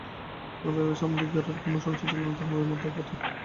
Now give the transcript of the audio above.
সাধারণভাবে এ সম্বন্ধে গোরার কোনো সংশয় ছিল না–তাহারও এই মত বটে।